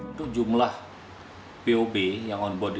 untuk jumlah pob yang on board